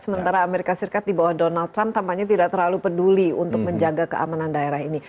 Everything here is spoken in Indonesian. sementara amerika serikat di bawah donald trump tampaknya tidak terlalu peduli untuk menjaga keamanan daerah ini